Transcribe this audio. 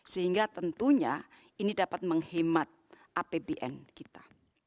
sehingga tentunya ini dapat menghemat apbn kita